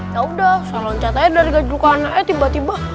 yaudah saya loncat aja dari gajukan tiba tiba